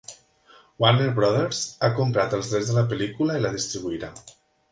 Warner Brothers ha comprat els drets de la pel·lícula i la distribuirà.